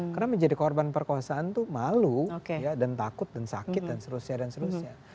karena menjadi korban perkosaan itu malu dan takut dan sakit dan seterusnya